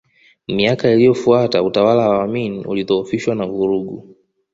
Miaka iliyofuata utawala wa Amin ulidhoofishwa na vurugu